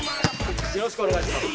よろしくお願いします。